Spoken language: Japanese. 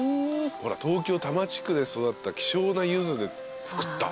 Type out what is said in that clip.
東京多摩地区で育った希少なユズで作った。